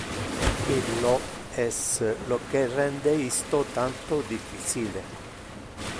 Illo es lo que rende isto tanto difficile.